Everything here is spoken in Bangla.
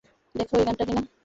দেখ, এই গানটা কি-না।